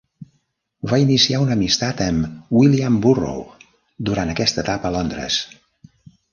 Va iniciar una amistat amb William Burroughs durant aquesta etapa a Londres.